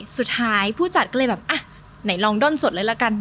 ผู้จัดก็เลยแบบอ่ะไหนลองด้นสดเลยละกัน